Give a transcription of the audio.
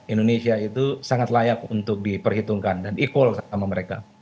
indonesia itu sangat layak untuk diperhitungkan dan e call sama mereka